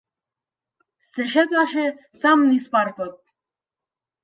Се шеташе сам низ паркот.